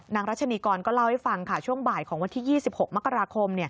รัชนีกรก็เล่าให้ฟังค่ะช่วงบ่ายของวันที่๒๖มกราคม